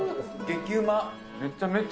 激うまっ！